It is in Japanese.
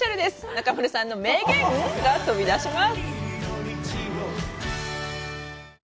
中丸さんの名言？が飛び出します